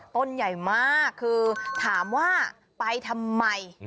ต้นใหญ่มากคือถามว่าไปทำไม